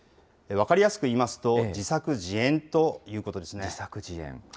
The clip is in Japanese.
分かりやすくいいますと、自作自演ということですね。